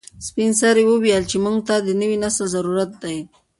سپین سرې وویل چې موږ ته د نوي نسل ضرورت دی.